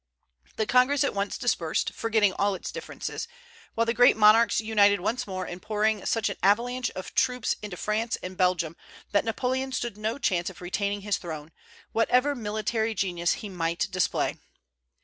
The Congress at once dispersed, forgetting all its differences, while the great monarchs united once more in pouring such an avalanche of troops into France and Belgium that Napoleon stood no chance of retaining his throne, whatever military genius he might display.